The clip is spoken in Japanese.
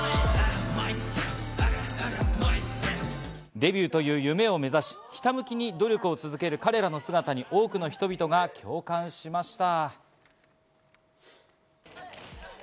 デビューという夢を目指しひたむきに努力を続ける彼らの姿に多くの人々が共感しました。